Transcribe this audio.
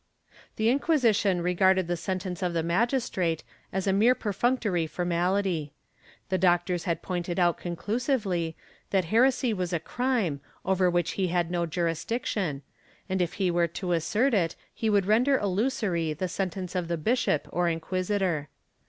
The Inquisition regarded the sentence of the magistrate as a mere perfunctory formality. The doctors had pointed out con clusively that heresy was a crime over which he had no juris diction, and if he were to assert it he would render illusory the sentence of the bishop or inquisitor.